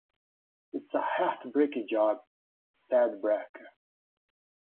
“It’s a heart-breaking job,” said Barker.